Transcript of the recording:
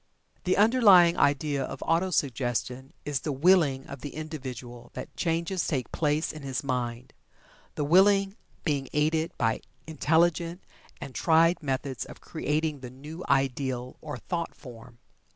The underlying idea of Auto suggestion is the "willing" of the individual that the changes take place in his mind, the willing being aided by intelligent and tried methods of creating the new ideal or thought form.